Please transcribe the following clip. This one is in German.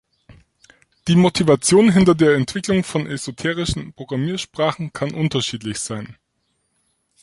Die Motivation hinter der Entwicklung von esoterischen Programmiersprachen kann unterschiedlich sein.